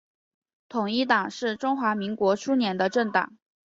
统一党是中华民国初年的政党。